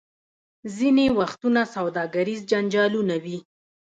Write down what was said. ځینې وختونه سوداګریز جنجالونه وي.